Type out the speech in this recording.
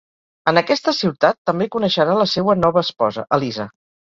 En aquesta ciutat, també coneixerà la seua nova esposa, Elisa.